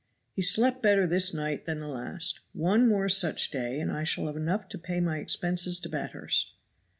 He slept better this night than the last. "One more such day and I shall have enough to pay my expenses to Bathurst."